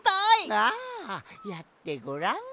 ああやってごらん。